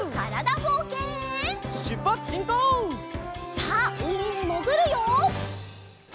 さあうみにもぐるよ！